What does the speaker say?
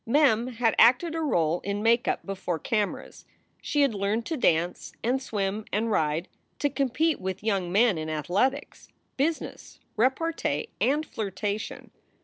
Mem had acted a role in make up before cameras; she had learned to dance and swim and ride, to compete with young men in athletics, business, repartee, and flirtation.